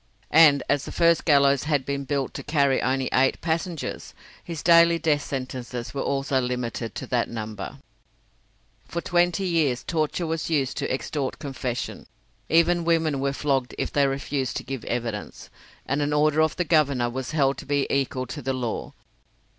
And as the first gallows had been built to carry only eight passengers, his daily death sentences were also limited to that number. For twenty years torture was used to extort confession even women were flogged if they refused to give evidence, and an order of the Governor was held to be equal to law.